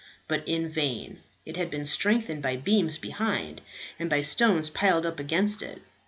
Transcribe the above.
But in vain. It had been strengthened by beams behind, and by stones piled up against it.